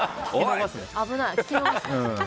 危ない。